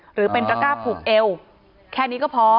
หรือเป็นตระก้าผูกเอวแค่นี้ก็พอ